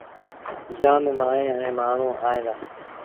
جآم مائيٚݩ ائيٚݩ مآڻهوٚݩ ائيٚݩ دآ۔